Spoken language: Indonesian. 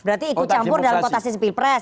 berarti ikut campur dalam kotasi sepi press